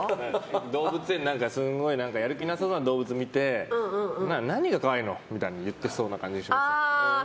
動物園、すごいやる気なさそうな動物を見て何が可愛いの？みたいな言ってそうな感じがします。